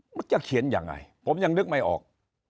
มันจะเขียนยังไงผมยังนึกไม่ออก